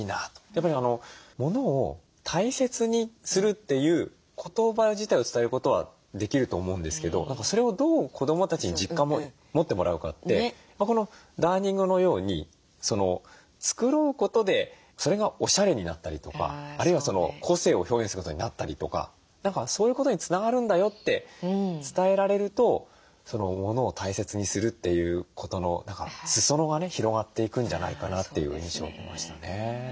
やっぱり物を大切にするっていう言葉自体を伝えることはできると思うんですけどそれをどう子どもたちに実感持ってもらうかってこのダーニングのように繕うことでそれがおしゃれになったりとかあるいは個性を表現することになったりとか何かそういうことにつながるんだよって伝えられると物を大切にするっていうことの裾野が広がっていくんじゃないかなという印象を受けましたね。